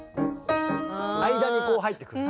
間にこう入ってくる。